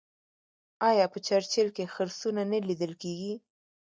آیا په چرچیل کې خرسونه نه لیدل کیږي؟